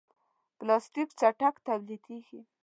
پلاستيک چټک تولیدېږي.